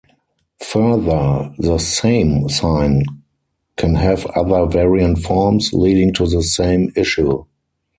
Further, the "same" sign can have other variant forms, leading to the same issue.